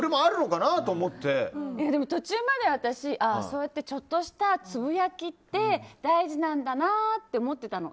でも途中まで私そうやって、ちょっとしたつぶやきって大事なんだなって思ってたの。